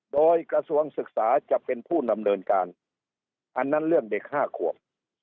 โดยกระทรวงศึกษาจะเป็นผู้ดำเนินการอันนั้นเรื่องเด็ก๕ขวบ